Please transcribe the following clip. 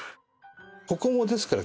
ここもですから。